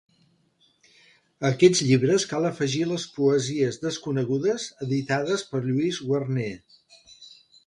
A aquests llibres cal afegir les poesies desconegudes editades per Lluís Guarner.